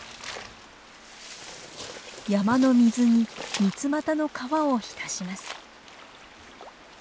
山の水にミツマタの皮を浸します。